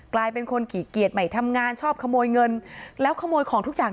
กลายเป็นคนขี่เกียรติไม่ทำงานชอบขโมยเงินแล้วขโมยของทุกอย่าง